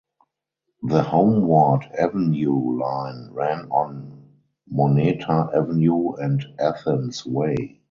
The Homeward Avenue Line ran on Moneta Avenue and Athens Way.